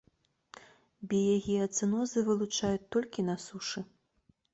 Біягеацэнозы вылучаюць толькі на сушы.